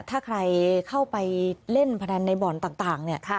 ถ้าใครเข้าไปเล่นพนันในบ่อนต่างเนี่ย